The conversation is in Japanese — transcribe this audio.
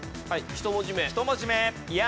１文字目「や」。